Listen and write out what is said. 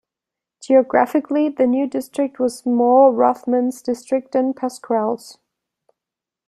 Geographically, the new district was more Rothman's district than Pascrell's.